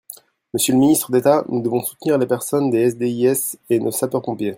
Monsieur le ministre d’État, nous devons soutenir les personnels des SDIS et nos sapeurs-pompiers.